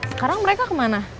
sekarang mereka kemana